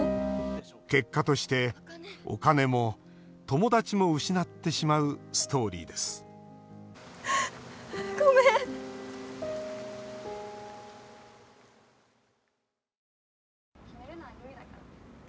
結果としてお金も友達も失ってしまうストーリーですごめん。